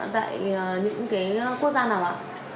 tại những cái quốc gia nào ạ